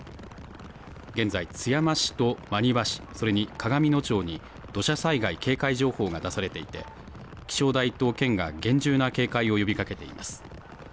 現在、津山市と真庭市それに鏡野町に土砂災害警戒情報が出されていて気象台と県が厳重な警戒を呼びかけています。